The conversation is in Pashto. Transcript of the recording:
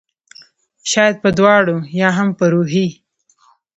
شاید په دواړو ؟ یا هم په روحي